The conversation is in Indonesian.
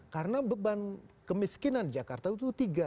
karena beban kemiskinan di jakarta itu tiga